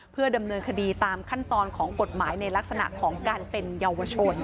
เพื่อดำเนินคดีตามขั้นตอนของกฎหมายในลักษณะของการเป็นเยาวชน